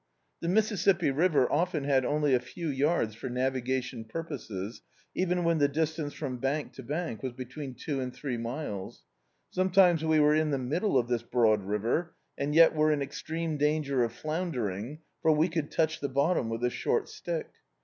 This Mississippi river often had only a few yards for navigation purposes, even when the distance from bank to bank was between two and three miles. Sometimes we were in the middle of this broad river, and yet were in extreme danger of floundering, for we could touch the bottom with a short stick.